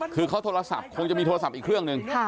คือเขาโทรศัพท์คงจะมีโทรศัพท์อีกเครื่องหนึ่ง